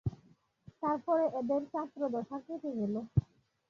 তার পরে এদের ছাত্রদশা গেল কেটে।